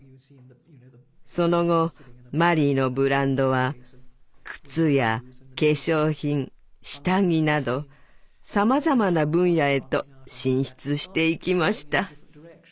その後マリーのブランドは靴や化粧品下着などさまざまな分野へと進出していきました。